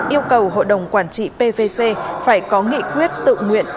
yêu cầu hội đồng quản trị pvc phải có nghị quyết tự nguyện